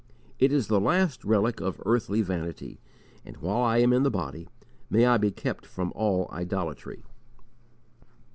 It is the last relic of earthly vanity, and, while I am in the body, may I be kept from all idolatry!"